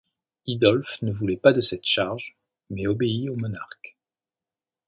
Hildolf ne voulait pas de cette charge, mais obéit au monarque.